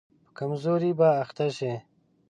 په کمزوري به اخته شي.